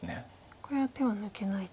これは手を抜けないと。